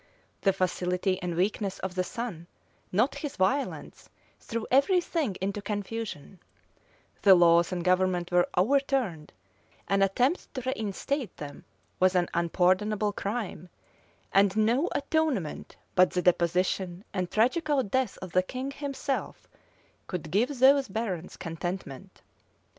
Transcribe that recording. The facility and weakness of the son, not his violence, threw every thing into confusion: the laws and government were overturned: an attempt to reinstate them was an unpardonable crime: and no atonement but the deposition and tragical death of the king himself could give those barons contentment.